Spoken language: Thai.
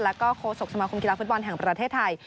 แล้วก็โฆษกสมาคมกีฬาฟุตบอลแห่งประเทศไทย